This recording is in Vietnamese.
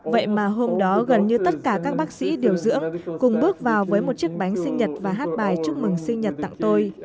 vậy mà hôm đó gần như tất cả các bác sĩ điều dưỡng cùng bước vào với một chiếc bánh sinh nhật và hát bài chúc mừng sinh nhật tặng tôi